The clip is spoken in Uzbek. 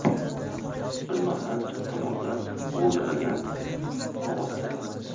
Bir mahal chap tomondan g‘o‘ldiragan ovoz keldi.